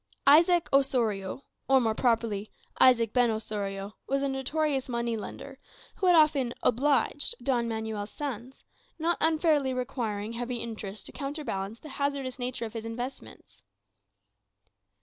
Isaac Osorio, or more properly, Isaac ben Osorio, was a notorious money lender, who had often "obliged" Don Manuel's sons, not unfairly requiring heavy interest to counter balance the hazardous nature of his investments.